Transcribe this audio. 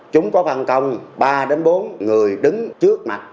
chúng có phần công ba đến bốn người đứng trước mặt